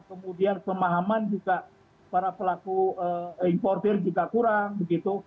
kemudian pemahaman juga para pelaku importer juga kurang begitu